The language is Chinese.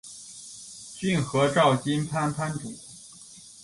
骏河沼津藩藩主。